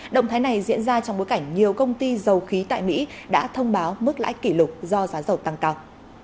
động thái này diễn ra trong bối cảnh nhiều công ty dầu khí tại mỹ đã thông báo mức lãi kỷ lục do giá dầu tăng cao